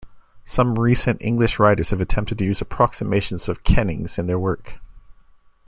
Some recent English writers have attempted to use approximations of kennings in their work.